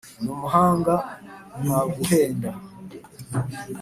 n'umuhanga ntaguhenda